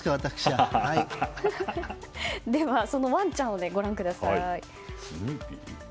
では、そのワンちゃんをご覧ください。